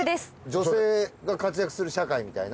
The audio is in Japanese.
女性が活躍する社会みたいな？